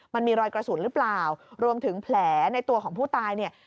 มันมีรอยกระสุนหรือเปล่ารวมถึงแผลในตัวของผู้ตายเนี่ย